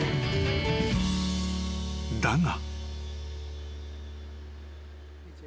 ［だが］